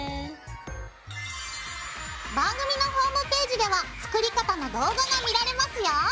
番組のホームページでは作り方の動画が見られますよ。